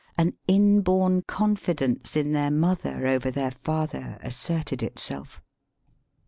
An inborn confidence in their mother over their father asserted itself.